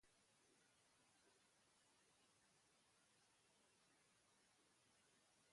Sanferminetan baimenik gabe alkohola saltzen zebilen.